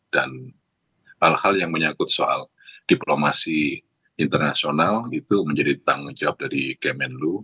dan hal hal yang menyangkut soal diplomasi internasional itu menjadi tanggung jawab dari kemenlu